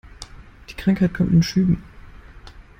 Die Krankheit kommt in Schüben.